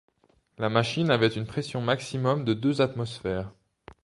La machine avait une pression maximum de deux atmosphères.